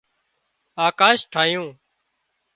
آڪاش ٺاهيون